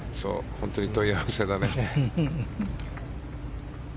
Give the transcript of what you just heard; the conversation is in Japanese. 本当に問い合わせだね。